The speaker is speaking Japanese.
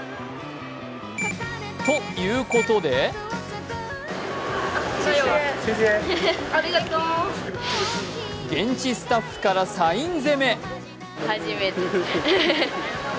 ということで現地スタッフからサイン攻め。